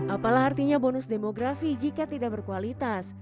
apalah artinya bonus demografi jika tidak berkualitas